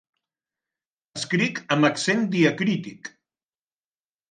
Escrit amb accent diacrític.